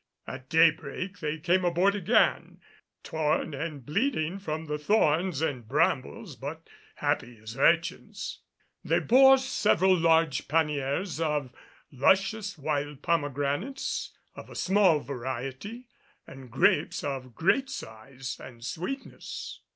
At daybreak they came aboard again, torn and bleeding from the thorns and brambles, but happy as urchins. They bore several large panniers of luscious wild pomegranates of a small variety, and grapes of great size and sweetness.